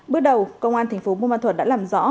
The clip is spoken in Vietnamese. bước đầu công an thành phố buôn ma thuật đã làm rõ